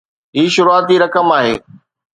هي شروعاتي رقم آهي.